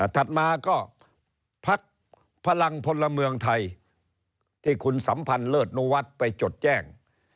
ถัดมาก็พักพลังพลเมืองไทยที่คุณสัมพันธ์เลิศนุวัฒน์ไปจดแจ้ง